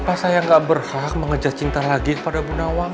apa saya gak berhak mengejar cinta lagi kepada bunawang